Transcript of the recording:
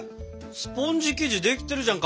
スポンジ生地できてるじゃん！